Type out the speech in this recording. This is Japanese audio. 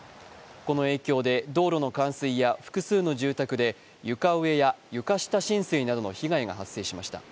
この影響で道路の冠水や複数の住宅で床上や床下浸水などの被害が発生しました。